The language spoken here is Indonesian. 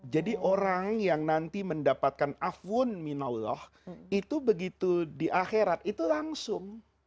jadi orang yang nanti mendapatkan afun min allah itu begitu di akhirat itu langsung